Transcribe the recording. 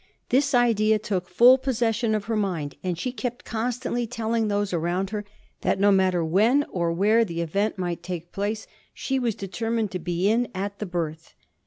This idea took fall possession of her mind, and she kept constantly telling those around her that, no mat ter when or where the event might take place, she was de termined to be in at that birth.